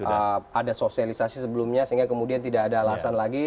iya oke berarti memang sudah ada sosialisasi sebelumnya sehingga kemudian tidak ada alasan lagi